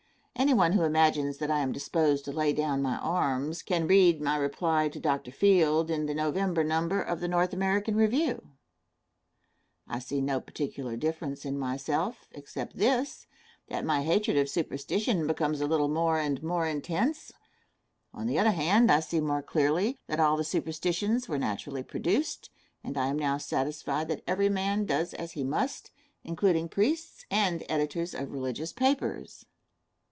Any one who imagines that I am disposed to lay down my arms can read by Reply to Dr. Field in the November number of the North American Review. I see no particular difference in myself, except this; that my hatred of superstition becomes a little more and more intense; on the other hand, I see more clearly, that all the superstitions were naturally produced, and I am now satisfied that every man does as he must, including priests and editors of religious papers.